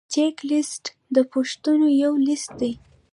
چک لیست د پوښتنو یو لیست دی.